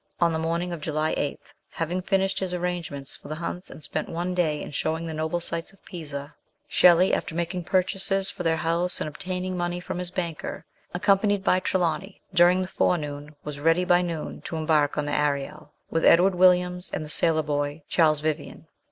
On the morning of July 8, having finished his arrangements for the Hunts and spent one day in showing the noble sights of Pisa, Shelley, after making purchases for their house and obtaining money from his banker, accompanied by Trelawny during the forenoon, was ready by noon to embark on the Ariel with Edward Williams and the sailor boy, Charles Vivian.